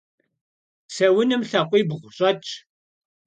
Pseunım lhakhuibğu ş'etş.